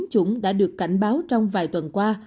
chủng đã được cảnh báo trong vài tuần qua